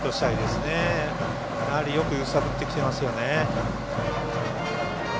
よく揺さぶってきていますよね。